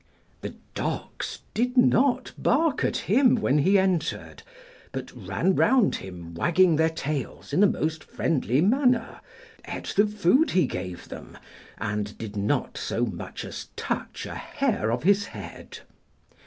The dogs did not bark at him when he entered, but ran round him wagging their tails in a most friendly manner, ate the food he gave them, and did not so much as touch a hair of his head.